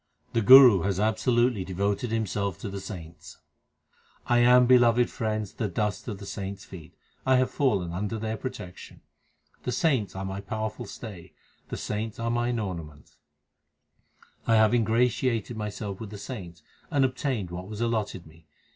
The Guru has absolutely devoted himself to the saints : 1 am, beloved friends, the dust of the saints feet ; I have fallen under their protection. The saints are my powerful stay ; the saints are mine ornaments. I have ingratiated myself with the saints, And obtained what was allotted me.